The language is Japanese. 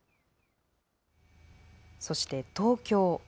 そして東京。